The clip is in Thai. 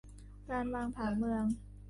การวางผังเมือง